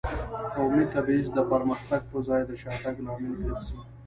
قومي تبعیض د پرمختګ په ځای د شاتګ لامل ګرځي.